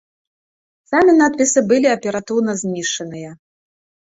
Самі надпісы былі аператыўна знішчаныя.